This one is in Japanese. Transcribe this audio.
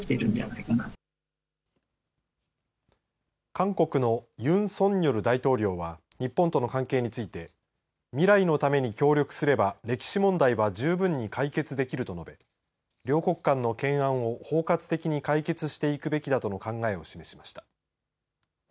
韓国のユン・ソンニョル大統領は日本との関係について未来のために協力すれば歴史問題は十分に解決できると述べ両国間の懸案を包括的に解決していくべきだとの考えを示しました。